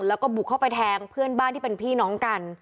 แล้วก็บุกเข้าไปแทงเพื่อนบ้านที่เป็นพี่น้องกัน